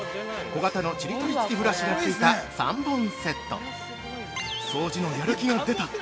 ◆小型のちりとり付きブラシがついた３本セット「掃除のやる気が出た」